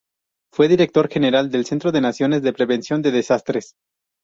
Fue director general del Centro Nacional de Prevención de Desastres.